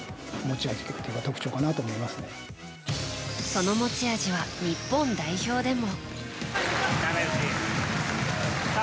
その持ち味は日本代表でも。